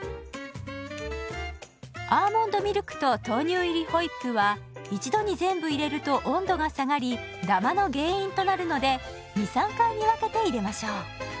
アーモンドミルクと豆乳入りホイップは一度に全部入れると温度が下がりダマの原因となるので２３回に分けて入れましょう。